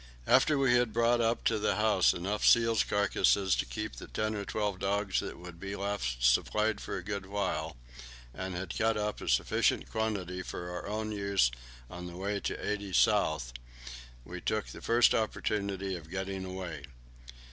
After we had brought up to the house enough seals' carcasses to keep the ten or twelve dogs that would be left supplied for a good while, and had cut up a sufficient quantity for our own use on the way to 80° S., we took the first opportunity of getting away.